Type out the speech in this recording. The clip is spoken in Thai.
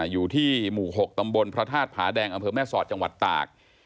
อยู่ที่หมู่๖ตำบลพระธาตุผาแดงอำเภอแม่สอดจังหวัดตาก